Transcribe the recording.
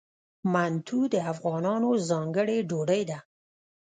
منتو د افغانانو ځانګړې ډوډۍ ده.